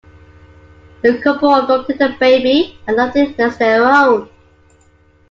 The couple adopted a baby and loved it as their own.